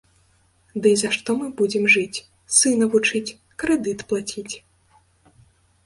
Дый за што мы будзем жыць, сына вучыць, крэдыт плаціць?